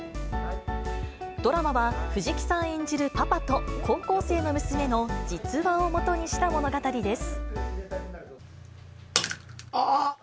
ドラマは藤木さん演じるパパと、高校生の娘の実話をもとにした物あっ。